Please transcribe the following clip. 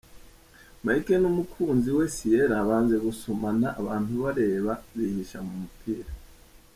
Mike n'umukunzi we Ciella banze gusomana abantu bareba bihisha mu mupira.